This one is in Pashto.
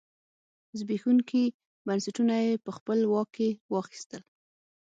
زبېښونکي بنسټونه یې په خپل واک کې واخیستل.